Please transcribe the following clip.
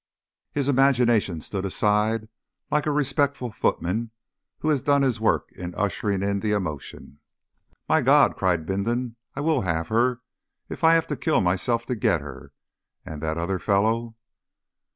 His imagination stood aside like a respectful footman who has done his work in ushering in the emotion. "My God!" cried Bindon: "I will have her! If I have to kill myself to get her! And that other fellow